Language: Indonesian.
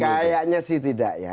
kayaknya sih tidak ya